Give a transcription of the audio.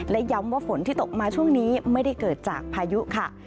และย้ำว่าฝนที่ตกมาช่วงนี้ไม่ได้เกิดจากพายุค่ะ